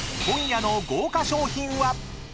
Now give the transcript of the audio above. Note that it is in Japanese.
［今夜の豪華賞品は⁉］